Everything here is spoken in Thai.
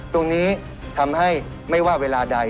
ตรงนี้ทำให้ไม่ว่าเวลาใด